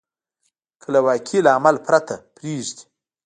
که له واقعي لامل پرته پرېږدي.